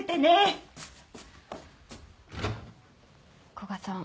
古賀さん